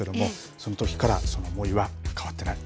そのときからその思いは変わっていない。